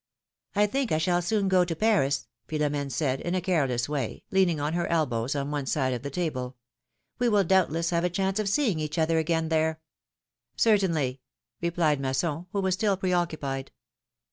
I think I shall soon go to Paris," Philomene said, in a careless way, leaning on her elbows on one side of the table; 'Sve will doubtless have a chance of seeing each other again there." Certainly !" replied Masson, who was still preoccupied.